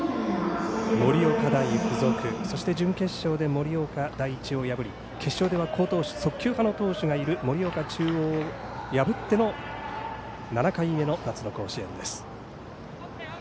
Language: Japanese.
盛岡大付属、そして準決勝で盛岡第一を破り決勝では好投手速球派の投手がいる盛岡中央を破っての７回目の夏の甲子園です。